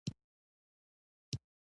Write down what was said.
د خدای د ټولو نعمتونو شکر باید وباسو.